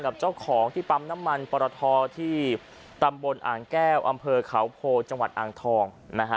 กับเจ้าของที่ปั๊มน้ำมันปรทที่ตำบลอ่างแก้วอำเภอเขาโพจังหวัดอ่างทองนะฮะ